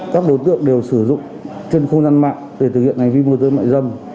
các đối tượng đều sử dụng trên khuôn năng mạng để thực hiện hành vi mua dâm mại dâm